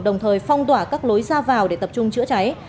đồng thời phong tỏa các lối ra vào để tập trung chữa cháy